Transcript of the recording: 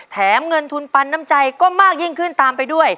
แถมเงินทุนปันน้ำใจก็มากยิ่งขึ้นตามไปด้วย